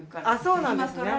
あそうなんですね。